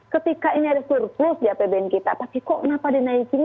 ketika ini ada surplus di apbn kita pasti kok kenapa dinaikin